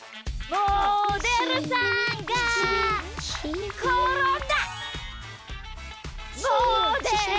モデルさんがころんだ！